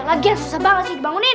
lagian susah banget sih bangunnya